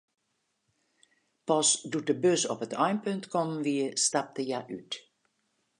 Pas doe't de bus op it einpunt kommen wie, stapte hja út.